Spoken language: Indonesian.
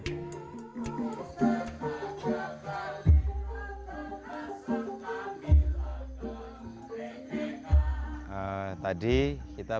tadi kita baru saja meminaskan sebuah peluang